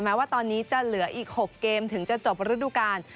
แม้ว่าตอนนี้จะเหลืออีก๖เกมถึงจะจบฤดูกาล